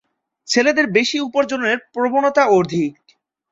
ছেলেদের বেশি উপার্জনের প্রবণতা অধিক।